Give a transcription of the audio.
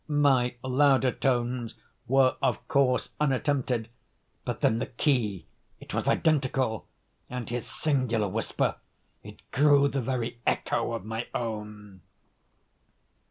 My louder tones were, of course, unattempted, but then the key—it was identical; and his singular whisper, it grew the very echo of my own.